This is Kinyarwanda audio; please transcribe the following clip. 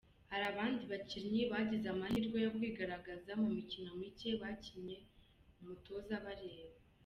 Hari abandi bakinnyi bagize amahirwe yo kwigaragaza mu mikino micye bakinnye umutoza abareba.